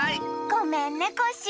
ごめんねコッシー。